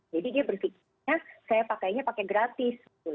jadi dia berpikir ya saya pakainya pakai gratis